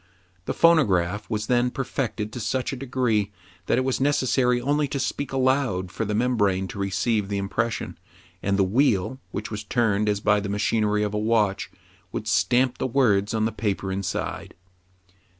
The phonograph was then perfected to such a degree, that it was necessary only to speak aloud for the membrane to receive the impression, and the wheel, which was turned as by the machinery of a watch, would stamp the words on the paper inside.